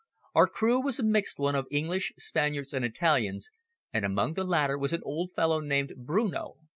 Our crew was a mixed one of English, Spaniards and Italians, and among the latter was an old fellow named Bruno.